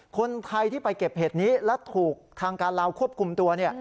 คนไทยที่ไปเก็บเห็ดนี้และถูกทางการลาวควบคุมตัวเนี่ย